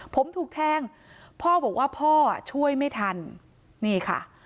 ผมถูกแทงพ่อบอกว่าพ่อช่วยไม่ทันนี่ค่ะ